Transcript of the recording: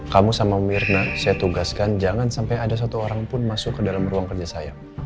kamu sama mirna saya tugaskan jangan sampai ada satu orang pun masuk ke dalam ruang kerja saya